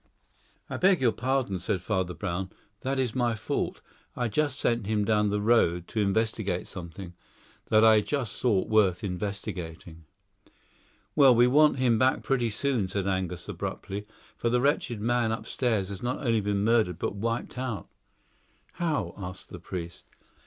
"I beg your pardon," said Father Brown; "that is my fault. I just sent him down the road to investigate something that I just thought worth investigating." "Well, we want him back pretty soon," said Angus abruptly, "for the wretched man upstairs has not only been murdered, but wiped out." "How?" asked the priest.